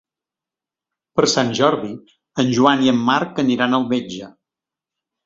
Per Sant Jordi en Joan i en Marc aniran al metge.